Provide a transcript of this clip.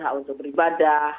hak untuk beribadah